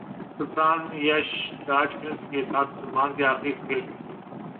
سلطان Yash Raj films کے ساتھ سلمان کی اخری فلم